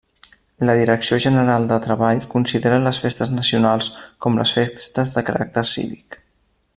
La Direcció General de Treball considera les festes nacionals com les festes de caràcter cívic.